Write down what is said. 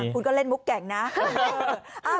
คุณก็เล่นมุกแก่งนะ